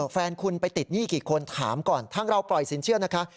แฟนคุณไปติดหนี้กี่คนถามก่อนทางเราปล่อยสินเชื่อนะคะ